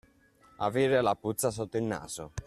Avere la puzza sotto il naso.